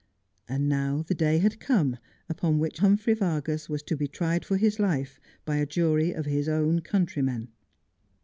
And now the day had come upon which Humphrey Vargas was to be tried for his life by a jury of his own countrymen.